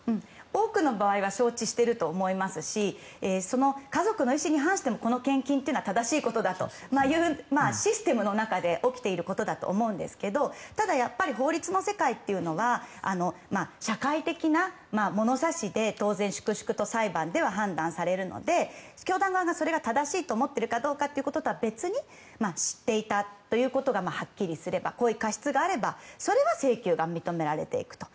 多くの場合は承知していると思いますしその家族の意思に反してもこの献金というのは正しいことだというシステムの中で起きていることだと思うんですがただ、やっぱり法律の世界というのは社会的なものさしで当然、粛々と裁判では判断されるので教団側がそれを正しいと思っているかは別に知っていたということがはっきりすれば故意過失があればそれは請求が認められていくと。